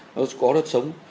nó có đất sống